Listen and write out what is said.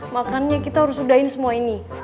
makannya kita harus udahin semua ini